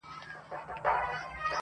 رامعلوم دي د ځنګله واړه کارونه،